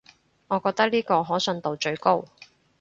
我覺得呢個可信度最高